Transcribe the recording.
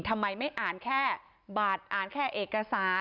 ทำไมไม่อ่านแค่บัตรอ่านแค่เอกสาร